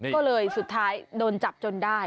ก็เลยสุดท้ายโดนจับจนได้